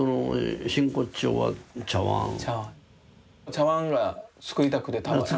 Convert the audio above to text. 茶碗が作りたくてたまらない。